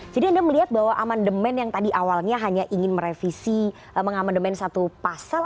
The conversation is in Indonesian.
jadi anda melihat bahwa amandemen yang tadi awalnya hanya ingin merevisi mengamandemen satu pasal